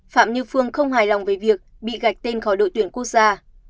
phạm như phương không hài lòng về việc bị gạch tên khỏi đội tuyển quốc gia